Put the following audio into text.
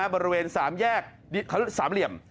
บริเวณ๓แยกสามเหลี่ยม